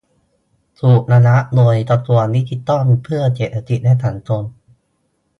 ถูกระงับโดยกระทรวงดิจิทัลเพื่อเศรษฐกิจและสังคม